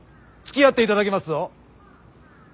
つきあっていただきますぞ。